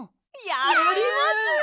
やります！